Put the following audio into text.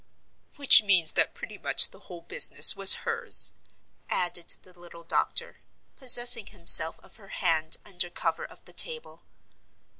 "Which means that pretty much the whole business was hers," added the little doctor, possessing himself of her hand under cover of the table.